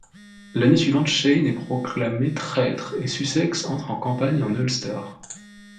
L'année suivante Shane est proclamé traitre et Sussex entre en campagne en Ulster.